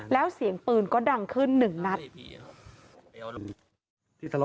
แล้วเสียงปืนก็ดังขึ้นหนึ่งนัด